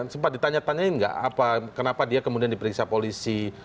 sempat ditanya tanyain nggak kenapa dia kemudian diperiksa polisi